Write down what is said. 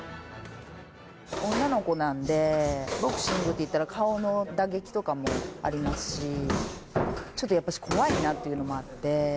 女の子なんで、ボクシングっていったら、顔の打撃とかもありますし、ちょっとやっぱし怖いなっていうのもあって。